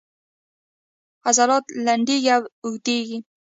عضلات لنډیږي او اوږدیږي